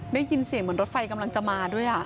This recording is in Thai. ได้ยินเสียงเหมือนรถไฟกำลังจะมาด้วย